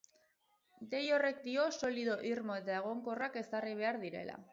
Dei horrek dio solido irmo eta egonkorrak ezarri behar direla.